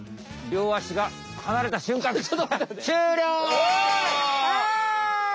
両足が離れた瞬間からです！